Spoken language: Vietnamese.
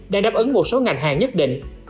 đã đáp ứng một số ngành hàng nhất định